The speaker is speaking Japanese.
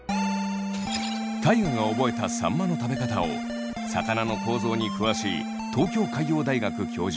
大我が覚えたさんまの食べ方を魚の構造に詳しい東京海洋大学教授